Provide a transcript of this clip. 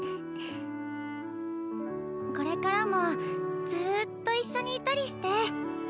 これからもずっと一緒にいたりして。